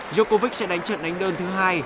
djokovic sẽ đánh trận đánh đơn thứ hai